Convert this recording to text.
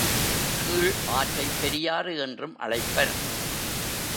கீழ் ஆற்றைப் பெரியாறு என்றும் அழைப்பர்.